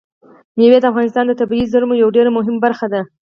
مېوې د افغانستان د طبیعي زیرمو یوه ډېره مهمه برخه ده.